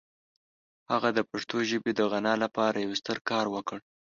هغه د پښتو ژبې د غنا لپاره یو ستر کار وکړ.